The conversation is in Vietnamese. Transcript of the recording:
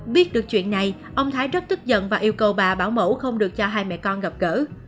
biết được chuyện này ông thái rất tức giận và yêu cầu bà bảo mẫu không được cho hai mẹ con gặp gỡ